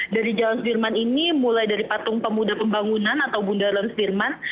dari jalan sedirman ini mulai dari patung pemuda pembangunan atau bunda lansedirman